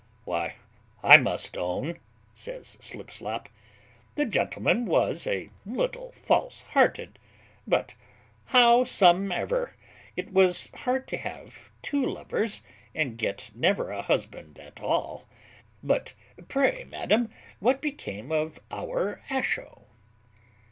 "Why, I must own," says Slipslop, "the gentleman was a little false hearted; but howsumever, it was hard to have two lovers, and get never a husband at all. But pray, madam, what became of Our asho?"